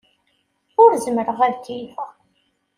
Ur zemmreɣ ad keyyfeɣ.